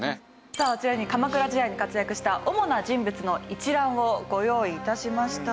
あちらに鎌倉時代に活躍した主な人物の一覧をご用意致しました。